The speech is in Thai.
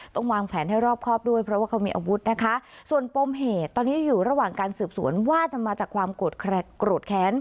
ต้องวางแผนให้รอบครอบด้วยเพราะว่าเขามีอาวุธนะคะส่วนปมเหตุตอนนี้อยู่ระหว่างการสืบสวนว่าจะมาจากความโกรธแค้น